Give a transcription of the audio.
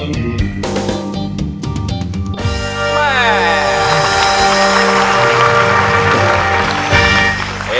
เพลงนี้ที่๕หมื่นบาทแล้วน้องแคน